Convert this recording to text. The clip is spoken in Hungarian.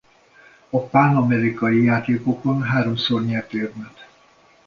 A Pánamerikai játékokon háromszor nyert érmet.